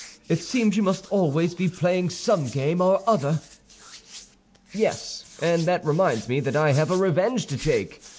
It seems you must always be playing some game or other." "Yes; and that reminds me that I have a revenge to take.